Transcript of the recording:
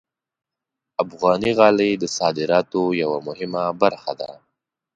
افغاني غالۍ د صادراتو یوه مهمه برخه ده.